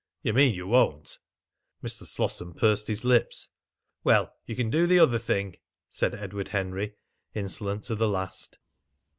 "You mean you won't!" Mr. Slosson pursed his lips. "Well, you can do the other thing!" said Edward Henry, insolent to the last.